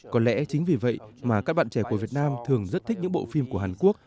có lẽ chính vì vậy mà các bạn trẻ của việt nam thường rất thích những bộ phim của hàn quốc